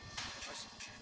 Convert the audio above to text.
kep ook artinya